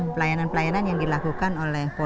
pelayanan pelayanan yang dilakukan oleh